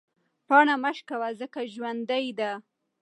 پاڼه مه شکوه ځکه ژوندۍ ده.